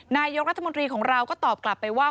นายกรัฐมนตรีของเราก็ตอบกลับไปว่า